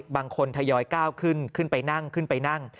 ทยอยก้าวขึ้นขึ้นไปนั่งขึ้นไปนั่ง